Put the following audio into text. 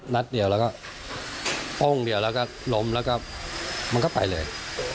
นัดเดียวแล้วก็โป้งเดียวแล้วก็ล้มแล้วก็มันก็ไปเลย